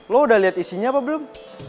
lo udah lihat isinya apa belum